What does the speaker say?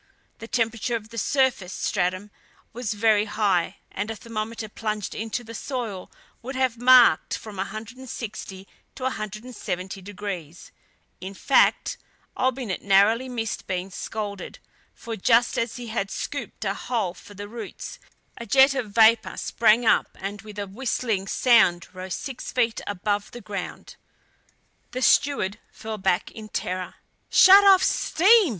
The temperature of the surface stratum was very high, and a thermometer plunged into the soil would have marked from 160 to 170 degrees; in fact, Olbinett narrowly missed being scalded, for just as he had scooped a hole for the roots, a jet of vapor sprang up and with a whistling sound rose six feet above the ground. The steward fell back in terror. "Shut off steam!"